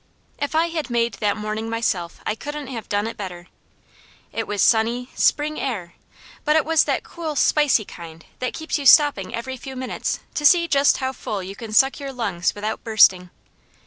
If I had made that morning myself I couldn't have done better. It was sunny, spring air, but it was that cool, spicy kind that keeps you stopping every few minutes to see just how full you can suck your lungs without bursting.